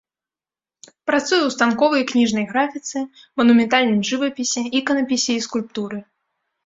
Працуе ў станковай і кніжнай графіцы, манументальным жывапісе, іканапісе і скульптуры.